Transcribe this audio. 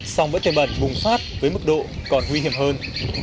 xong với tên bẩn bùng phát với mức độ còn nguy hiểm hơn